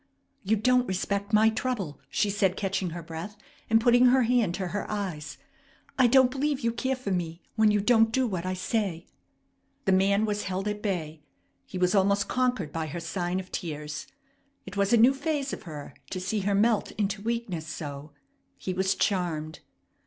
"You don't respect my trouble!" she said, catching her breath, and putting her hand to her eyes. "I don't believe you care for me when you don't do what I say." The man was held at bay. He was almost conquered by her sign of tears. It was a new phase of her to see her melt into weakness so. He was charmed.